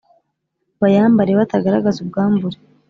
bayambare batagaragaza ubwambure